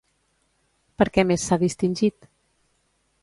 Per què més s'ha distingit?